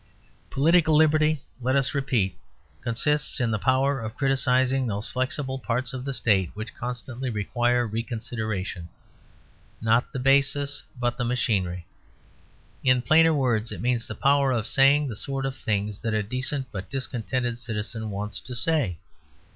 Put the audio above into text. Political liberty, let us repeat, consists in the power of criticising those flexible parts of the State which constantly require reconsideration, not the basis, but the machinery. In plainer words, it means the power of saying the sort of things that a decent but discontented citizen wants to say.